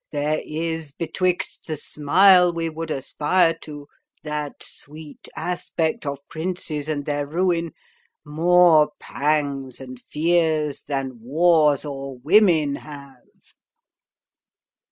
There is betwixt the smile we would aspire to, That sweet aspect of princes and their ruin, More pangs and fears than wars or women have.'"